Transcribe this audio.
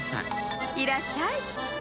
いらっしゃい。